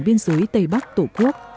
biên giới tây bắc tổ quốc